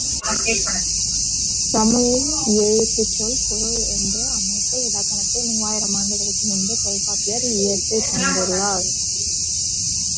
தமிழில் எழுத்து, சொல், பொருள் என்ற அமைப்பில் இலக்கணத்தை மூவாயிரம் ஆண்டுகளுக்கு முன்பே தொல்காப்பியர் இயற்றித் தந்துள்ளார்.